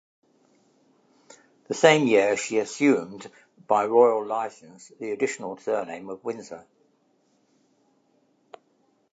The same year she assumed by Royal licence the additional surname of Windsor.